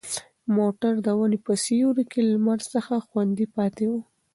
موټر د ونې په سیوري کې له لمر څخه خوندي پاتې و.